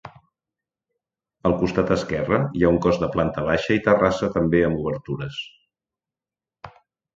Al costat esquerre hi ha un cos de planta baixa i terrassa també amb obertures.